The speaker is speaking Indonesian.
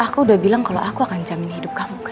aku udah bilang kalau aku akan jamin hidup kamu